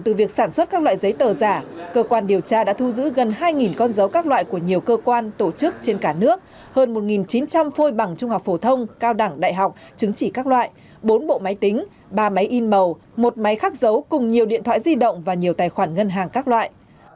từ việc sản xuất các loại giấy tờ giả cơ quan điều tra đã thu giữ gần hai con dấu các loại của nhiều cơ quan tổ chức trên cả nước hơn một chín trăm linh phôi bằng trung học phổ thông cao đẳng đại học chứng chỉ các loại bốn bộ máy tính ba máy in màu một máy khắc dấu cùng nhiều điện thoại di động và nhiều tài khoản ngân hàng các loại